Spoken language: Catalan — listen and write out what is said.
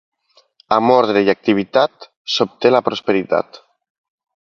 Amb ordre i activitat s'obté la prosperitat.